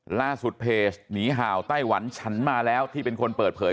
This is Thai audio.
ล่าสุดเพจหนีห่าวไต้หวันฉันมาแล้วที่เป็นคนเปิดเผย